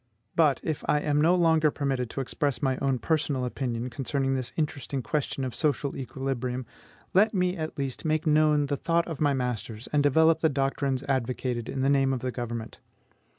But, if I am no longer permitted to express my own personal opinion concerning this interesting question of social equilibrium, let me, at least, make known the thought of my masters, and develop the doctrines advocated in the name of the government.